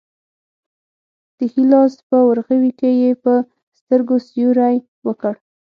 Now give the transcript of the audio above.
د ښي لاس په ورغوي کې یې په سترګو سیوری وکړ.